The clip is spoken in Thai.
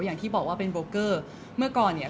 อย่างที่บอกว่าเป็นโบเกอร์เมื่อก่อนเนี่ย